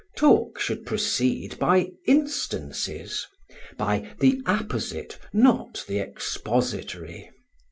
Talk should proceed by instances; by the apposite, not the expository.